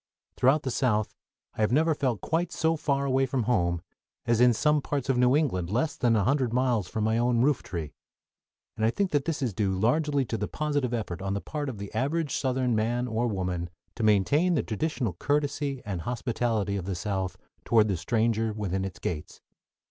Throughout the South I have never felt quite so far away from home as in some parts of New England less than a hundred miles from my own rooftree, and I think that this is due largely to the positive effort on the part of the average Southern man or woman to maintain the traditional courtesy and hospitality of the South toward the stranger within its gates.